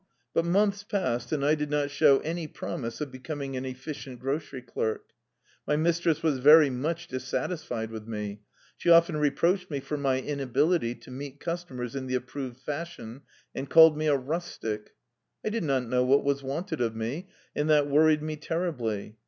But months passed, and I did not show any promise of becoming an efficient grocery clerk. My mistress was very much dissatisfied with me. She often reproached me for my inability to meet customers in the approved fashion, and called me a ^^ rustic." I did not know what was wanted of me, and that worried me terribly.